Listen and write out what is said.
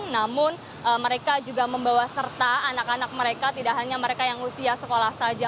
namun mereka juga membawa serta anak anak mereka tidak hanya mereka yang usia sekolah saja